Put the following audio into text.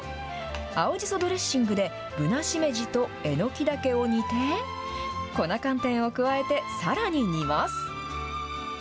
青じそドレッシングでぶなしめじとえのきだけを煮て、粉寒天を加えてさらに煮ます。